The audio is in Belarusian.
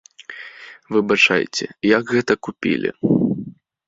Выбачайце, як гэта купілі?